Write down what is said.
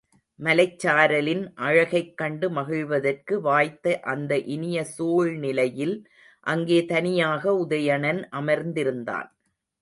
மலைச் சாரலின் அழகைக் கண்டு மகிழ்வதற்கு வாய்த்த அந்த இனிய சூழ்நிலையில் அங்கே தனியாக உதயணன் அமர்ந்திருந்தான்.